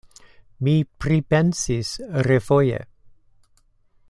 Mi pripensis refoje.